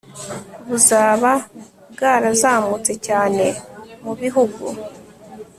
buzaba bwarazamutse cyane mu bihugu